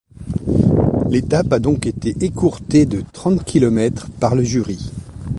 L'étape a donc été écourtée de trente kilomètres par le jury.